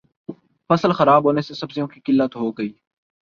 فصل خراب ہونے سے سبزیوں کی قلت ہوگئی